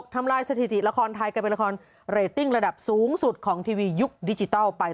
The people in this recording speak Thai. ทำลายสถิติละครไทยกลายเป็นละครเรตติ้งระดับสูงสุดของทีวียุคดิจิทัลไป